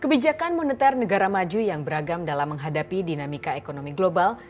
kebijakan moneter negara maju yang beragam dalam menghadapi dinamika ekonomi global